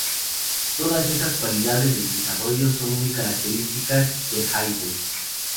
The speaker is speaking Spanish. Todas esas cualidades del desarrollo son muy características de Haydn.